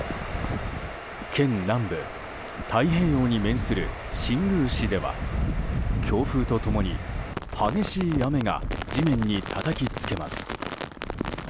県南部、太平洋に面する新宮市では強風と共に激しい雨が地面にたたきつけます。